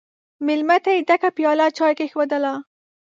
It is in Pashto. مېلمه ته یې ډکه پیاله چای کښېښودله!